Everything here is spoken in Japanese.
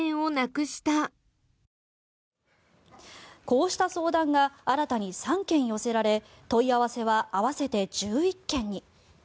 こうした相談が新たに３件寄せられ問い合わせは合わせて１１件に。